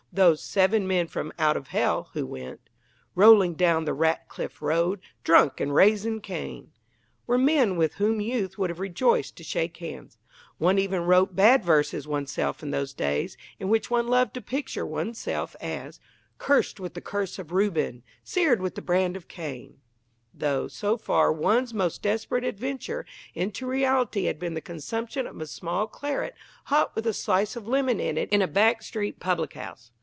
Those "seven men from out of Hell" who went Rolling down the Ratcliff Road, Drunk, and raising Cain, were men with whom youth would have rejoiced to shake hands. One even wrote bad verses oneself in those days, in which one loved to picture oneself as Cursed with the curse of Reuben, Seared with the brand of Cain, though so far one's most desperate adventure into reality had been the consumption of a small claret hot with a slice of lemon in it in a back street public house.